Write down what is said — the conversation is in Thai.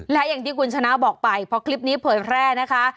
และอย่างที่คุณชนะบอกไปเพราะคลิปนี้เผยแพร่นะคะ